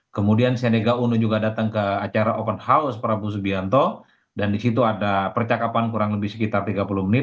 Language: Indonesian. kemudian senega uno juga datang ke acara open house prabowo subianto dan di situ ada percakapan kurang lebih sekitar tiga puluh menit